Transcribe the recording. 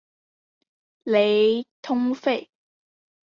雷通费。